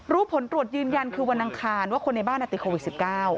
ผลตรวจยืนยันคือวันอังคารว่าคนในบ้านติดโควิด๑๙